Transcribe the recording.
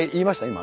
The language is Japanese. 今。